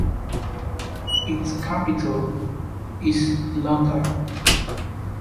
Its capital is Luarca.